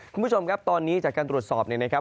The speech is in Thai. คุณผู้ชมครับตอนนี้จากการตรวจสอบเนี่ยนะครับ